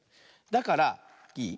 だからいい？